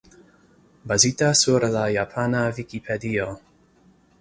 Bazita sur la japana Vikipedio.